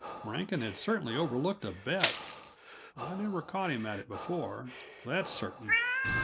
Rankin had certainly overlooked a bet. I never caught him at it before, that's certain.